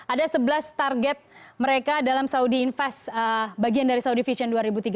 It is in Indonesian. ada sebelas target mereka dalam saudi invest bagian dari saudi vision dua ribu tiga puluh